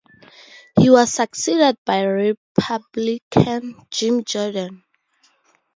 He was succeeded by Republican Jim Jordan.